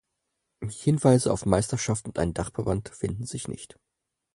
Hinweise auf Meisterschaften und einen Dachverband finden sich nicht.